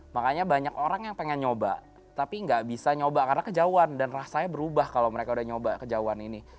makanya banyak orang yang pengen nyoba tapi nggak bisa nyoba karena kejauhan dan rasanya berubah kalau mereka udah nyoba kejauhan ini